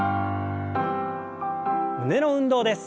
胸の運動です。